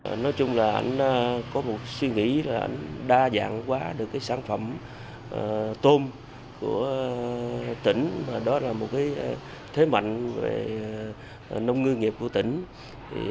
anh có một suy nghĩ là anh đa dạng quá được cái sản phẩm tôm của tỉnh mà đó là một cái thế mạnh về nông ngư nghiệp của tỉnh